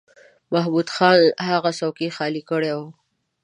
محمود خان هغه څوکۍ خالی کړې وه.